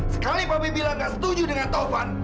sekali papi bilang gak setuju dengan taufan